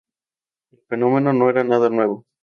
El fenómeno no era nada nuevo.